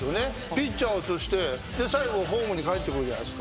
ピッチャーを映して最後ホームにかえってくるじゃないですか。